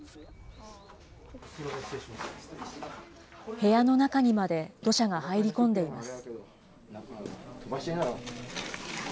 部屋の中にまで土砂が入り込んでいます。